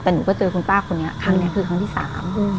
แต่หนูก็เจอคุณป้าคนนี้ครั้งนี้คือครั้งที่สาม